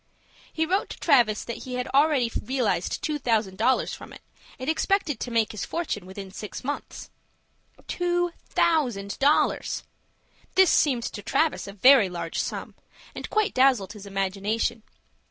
He wrote to Travis that he had already realized two thousand dollars from it, and expected to make his fortune within six months. Two thousand dollars! This seemed to Travis a very large sum, and quite dazzled his imagination.